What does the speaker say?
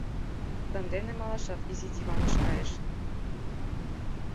Сандене малашат изи диваныш кайыш.